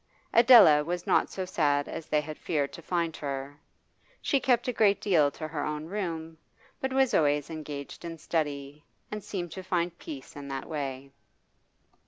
Adela was not so sad as they had feared to find her. She kept a great deal to her own room, but was always engaged in study, and seemed to find peace in that way.